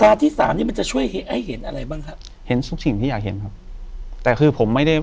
ที่สามนี่มันจะช่วยให้เห็นอะไรบ้างครับเห็นทุกสิ่งที่อยากเห็นครับแต่คือผมไม่ได้